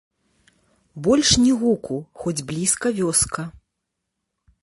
Больш ні гуку, хоць блізка вёска.